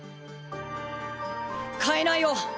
代えないよ。